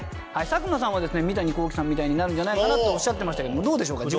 佐久間さんはですね三谷幸喜さんみたいになるんじゃないかなとおっしゃってましたけどもどうでしょうか